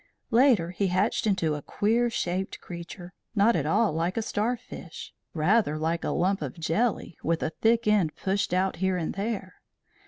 Later, he hatched into a queer shaped creature, not at all like a starfish, rather like a lump of jelly, with a thick end pushed out here and there.